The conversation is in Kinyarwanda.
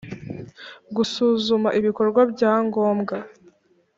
gusuzuma ibikorwa bya ngombwa